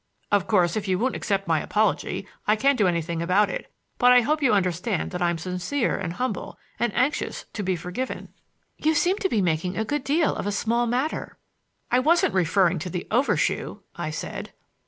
"Of course, if you won't accept my apology I can't do anything about it; but I hope you understand that I'm sincere and humble, and anxious to be forgiven." "You seem to be making a good deal of a small matter—" "I wasn't referring to the overshoe!" I said.